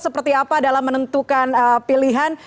seperti apa dalam menentukan pilihan